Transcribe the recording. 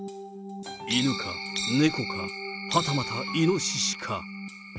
犬か、猫か、はたまたイノシシか。